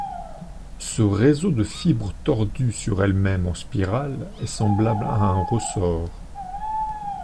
Ce réseau de fibres tordues sur elles-mêmes en spirale est semblable à un ressort.